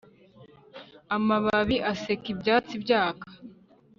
amababi aseka, ibyatsi byaka